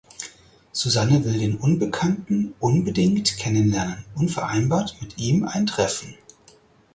Susanne will den Unbekannten unbedingt kennenlernen und vereinbart mit ihm ein Treffen.